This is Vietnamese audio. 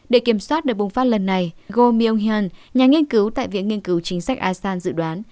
để kiểm soát được bùng phát lần này go myung hyun nhà nghiên cứu tại viện nghiên cứu chính sách asean dự đoán